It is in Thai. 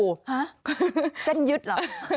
ฮะเส้นยึดเหรอ